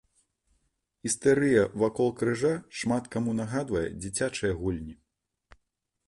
Істэрыя вакол крыжа шмат каму нагадвае дзіцячыя гульні.